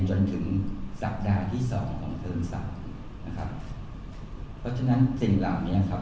จนถึงสัปดาห์ที่สองของเทิงสามนะครับเพราะฉะนั้นสิ่งเหล่านี้ครับ